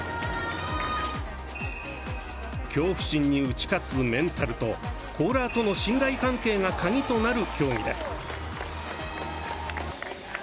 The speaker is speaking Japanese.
恐怖心に打ち勝つメンタルとコーラーとの信頼関係が鍵となる競技です。